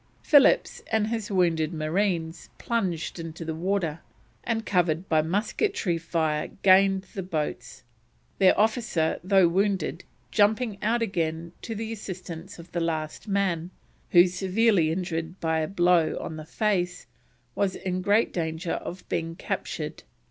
Phillips and his wounded marines plunged into the water and, covered by musketry fire, gained the boats; their officer, though wounded, jumping out again to the assistance of the last man who, severely injured by a blow on the face, was in great danger of being captured.